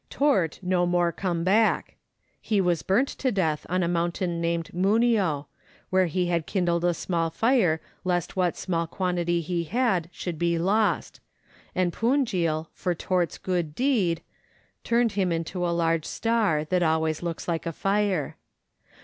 " Tourt no more come back"; he was burnt to death on a mountain named Munnio, where he had kindled a small fire lest what small quantity he had should be lost, and Punjil, for Tourt's good deed, turned him into a large star, that always looks like fire.